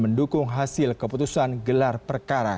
mendukung hasil keputusan gelar perkara